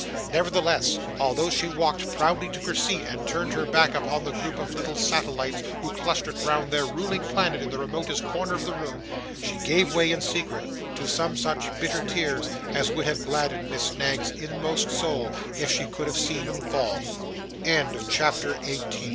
Nevertheless, although she walked proudly to her seat, and turned her back upon the group of little satellites who clustered round their ruling planet in the remotest corner of the room, she gave way, in secret, to some such bitter tears as would have gladdened Miss Knag's inmost soul,